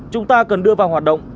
chúng ta cần đưa vào hoạt động